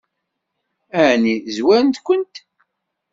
Ɛni zwarent-kent?